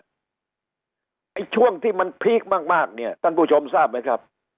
ไอ้ช่วงที่มันพีคมากเนี่ยท่านผู้ชมทราบไหมครับ